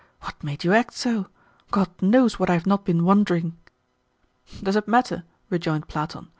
What made you act so? God knows what I have not been wondering!" "Does it matter?" rejoined Platon.